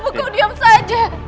kenapa kau diam saja